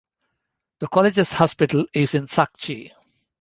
The college's hospital is in Sakchi.